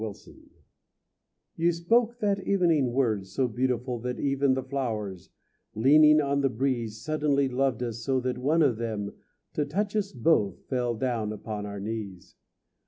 XXIX You spoke that evening words so beautiful That even the flowers, leaning on the breeze, Suddenly loved us so that one of them, To touch us both, fell down upon our knees.